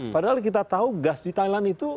padahal kita tahu gas di thailand itu